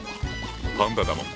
パンダだもん。